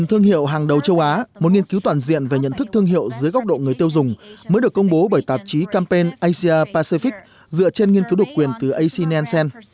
tốt một thương hiệu hàng đầu châu á một nghiên cứu toàn diện về nhận thức thương hiệu dưới góc độ người tiêu dùng mới được công bố bởi tạp chí campaign asia pacific dựa trên nghiên cứu độc quyền từ ac nansen